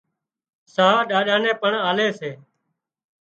ساهَه ڏاڏا نين پڻ آلي سي